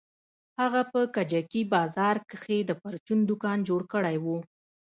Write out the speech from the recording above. هغه په کجکي بازار کښې د پرچون دوکان جوړ کړى و.